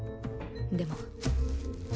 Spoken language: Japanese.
でも。